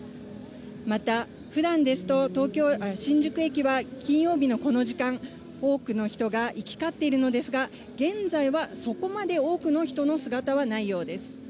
また、ふだんですと新宿駅は金曜日のこの時間、多くの人が行き交っているのですが、現在はそこまで多くの人の姿はないようです。